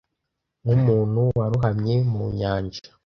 nkumuntu warohamye mu nyanja